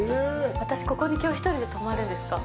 私、ここにきょう１人で泊まるんですか。